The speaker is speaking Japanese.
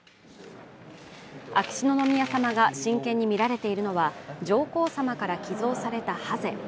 秋篠宮さまが真剣に見られているのは、上皇さまから寄贈されたハゼ。